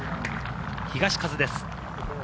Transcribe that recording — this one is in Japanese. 東風です。